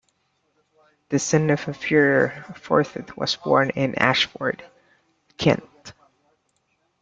The son of a furrier, Forsyth was born in Ashford, Kent.